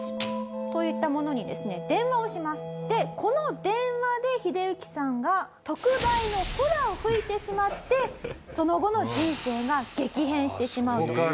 でこの電話でヒデユキさんが特大のホラを吹いてしまってその後の人生が激変してしまうという事なんですよ。